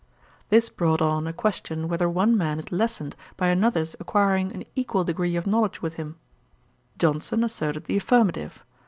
This brought on a question whether one man is lessened by another's acquiring an equal degree of knowledge with him. Johnson asserted the affirmative.